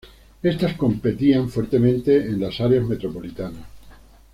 Estas competían fuertemente en las áreas metropolitanas.